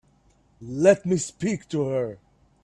Let me speak to her.